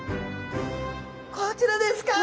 こちらですか。